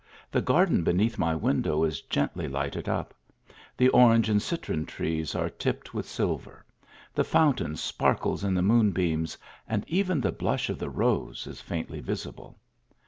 The gar den beneath my window is gently lighted up ; the orange and citron trees are tipped with silver ; the fountain sparkles in the moon beams, and even the blush of the rose is faintly visible.